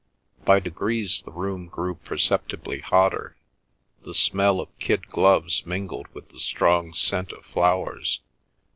By degrees the room grew perceptibly hotter. The smell of kid gloves mingled with the strong scent of flowers.